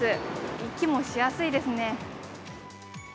息もしやすいですね。